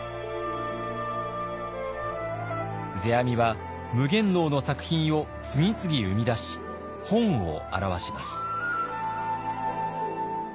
世阿弥は夢幻能の作品を次々生み出し本を著します。